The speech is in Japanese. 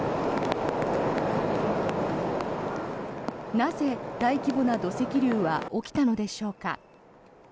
なぜ、大規模な土石流は起きたのでしょうか。